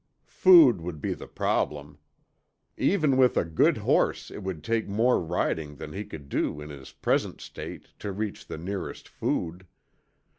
Food would be the problem. Even with a good horse it would take more riding than he could do in his present state to reach the nearest food.